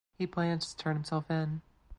He plans to turn himself in.